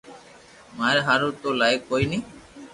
ماري ھارون تو لائق ڪوئي ني